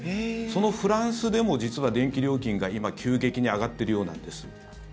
そのフランスでも実は電気料金が今、急激に上がってるようなんです。